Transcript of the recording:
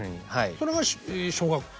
それが小学校？